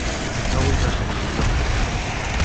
No vull res més, no.